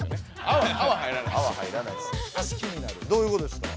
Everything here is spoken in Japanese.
どういうことですか？